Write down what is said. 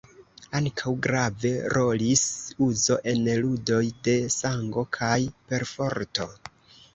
Ankaŭ grave rolis uzo en ludoj de sango kaj perforto.